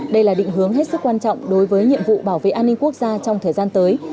đây là định hướng hết sức quan trọng đối với nhiệm vụ bảo vệ an ninh quốc gia trong thời gian tới